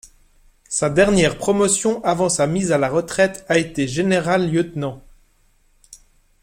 Sa dernière promotion avant sa mise à la retraite a été Generalleutnant.